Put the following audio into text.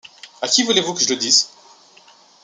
À qui voulez-vous que je le dise ?